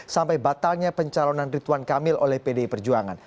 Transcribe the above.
sampai batalnya pencalonan rituan kamil oleh pdi perjuangan